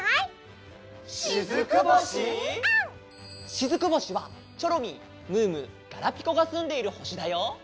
しずく星はチョロミームームーガラピコがすんでいる星だよ。